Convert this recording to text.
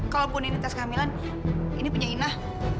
kalaupun ini tes kehamilan ini punya inah